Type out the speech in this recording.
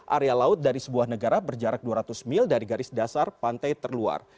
area laut dari sebuah negara berjarak dua ratus mil dari garis dasar pantai terluar